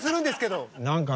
何かね。